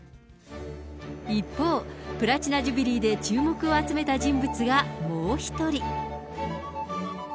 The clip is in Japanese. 一方、プラチナ・ジュビリーで注目を集めた人物がもう１人。